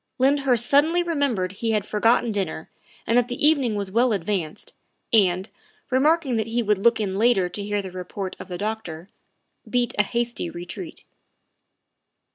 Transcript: Lyndhurst suddenly remembered he had forgotten dinner and that the evening was well advanced, and, re marking that he would look in later to hear the report of the doctor, beat a hasty retreat.